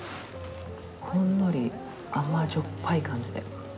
ほんのり甘じょっぱい感じで。